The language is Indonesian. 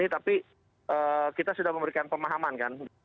tapi kita sudah memberikan pemahaman kan